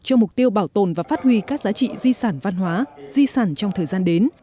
cho mục tiêu bảo tồn và phát huy các giá trị di sản văn hóa di sản trong thời gian đến